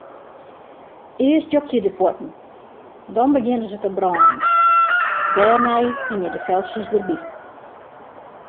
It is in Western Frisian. Earst jokje de fuotten, dan begjinne se te brânen, dêrnei hingje de feltsjes derby.